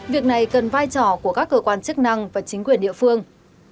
việc này cần vai trò của các cơ quan chức năng và chính quyền địa phương